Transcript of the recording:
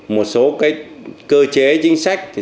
một số cái cơ chế chính sách